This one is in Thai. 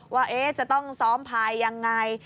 ว่าจะต้องซ้อมพายอย่างไร